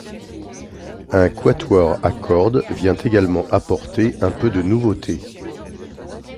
Un quatuor à cordes vient également apporter un peu de nouveauté.